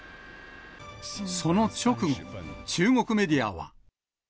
その直後、中国メディアは。